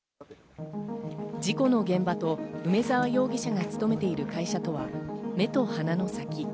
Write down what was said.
事故の現場と梅沢容疑者が勤めている会社とは目と鼻の先。